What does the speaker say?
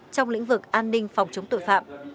trong lĩnh vực an ninh phòng chống tội phạm